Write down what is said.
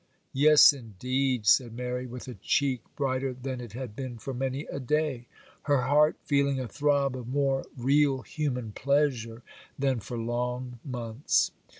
'Yes, indeed,' said Mary, with a cheek brighter than it had been for many a day; her heart feeling a throb of more real human pleasure than for long months.